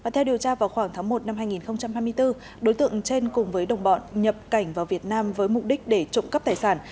theo điều tra vào khoảng tháng một năm hai nghìn hai mươi bốn đối tượng trên cùng với đồng bọn nhập cảnh vào việt nam với mục đích để trộm cắp tài sản